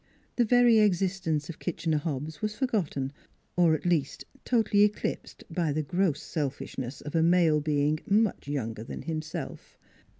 The very existence of Kitchener Hobbs was forgotten or 170 NEIGHBORS at least totally eclipsed by the gross selfishness of a male being much younger than himself.